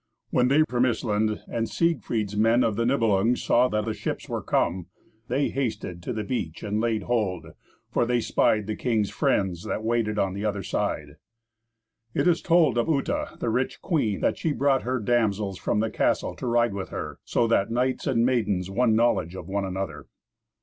When they from Issland, and Siegfried's men of the Nibelung, saw that the ships were come, they hasted to the beach and laid hold, for they spied the king's friends that waited on the other side. It is told of Uta, the rich queen, that she brought her damsels from the castle to ride with her, so that knights and maidens won knowledge of one another.